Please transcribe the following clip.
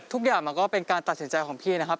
ทุกอย่างมันก็เป็นการตัดสินใจของพี่นะครับ